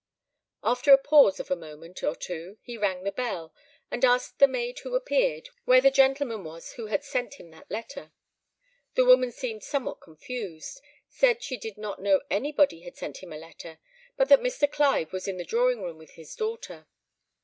After a pause of a moment or two he rang the bell, and asked the maid who appeared, where the gentleman was who had sent him that letter. The woman seemed somewhat confused, said she did not know anybody had sent him a letter, but that Mr. Clive was in the drawing room with his daughter.